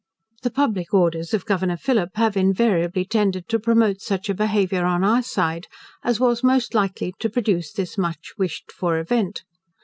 The public orders of Governor Phillip have invariably tended to promote such a behaviour on our side, as was most likely to produce this much wished for event.